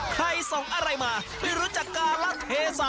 ใครส่งอะไรมาไม่รู้จักการะเทศะ